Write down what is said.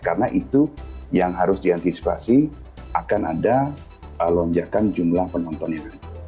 karena itu yang harus diantisipasi akan ada lonjakan jumlah penontonnya